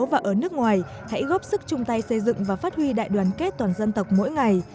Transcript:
và ở nước ngoài hãy góp sức chung tay xây dựng và phát huy đại đoàn kết toàn dân tộc mỗi ngày